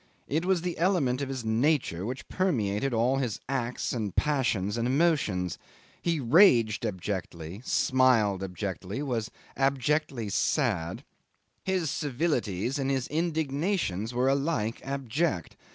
It was the element of his nature which permeated all his acts and passions and emotions; he raged abjectly, smiled abjectly, was abjectly sad; his civilities and his indignations were alike abject.